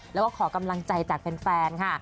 แล้วก็ขอกำลังใจจากแฟนค่ะ